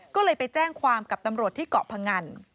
ก็เลยไปแจ้งความกับตำรวจที่เกาะพงัน